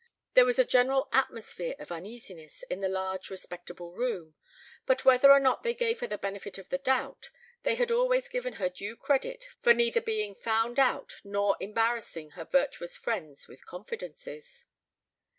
There was a general atmosphere of uneasiness in the large respectable room. But whether or not they gave her the benefit of the doubt, they had always given her due credit for neither being found out nor embarrassing her virtuous friends with confidences.